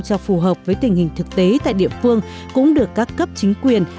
cho phù hợp với tình hình thực tế tại địa phương cũng được các cấp chính quyền